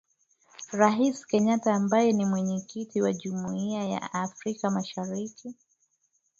Rais Kenyatta ambaye ni Mwenyekiti wa Jumuia ya Afrika Mashariki